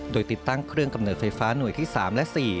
โดยติดตั้งเครื่องกำเนิดไฟฟ้าหน่วยที่๓และ๔